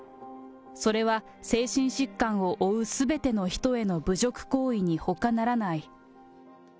それは精神疾患を負うすべての人への侮辱行為にほかならない。